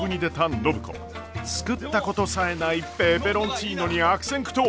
作ったことさえないペペロンチーノに悪戦苦闘！